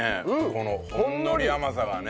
このほんのり甘さがね。